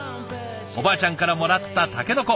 おばあちゃんからもらったタケノコ。